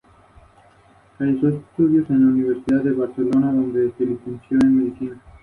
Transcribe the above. Así mismo, Goodwin defendió una unificación de la ciencia y las humanidades.